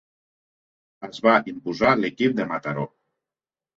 Es va imposar l'equip de Mataró.